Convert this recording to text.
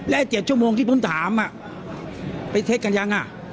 และ๗ชั่วโมงที่ผมถามไปเท็จกันยัง